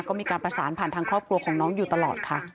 ก็มีการประสานผ่านทางครอบครัวของน้องอยู่ตลอดค่ะ